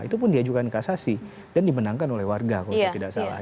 itu pun diajukan kasasi dan dimenangkan oleh warga kalau saya tidak salah